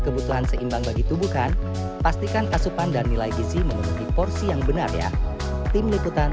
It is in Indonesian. kebutuhan seimbang bagi tubuhkan pastikan kasupan dan nilai gizi menuruti porsi yang benar ya tim